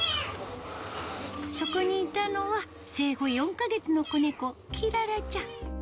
そこにいたのは、生後４か月の子猫、キララちゃん。